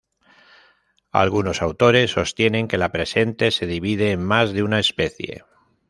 Algunos autores sostienen que la presente se divide en más de una especie.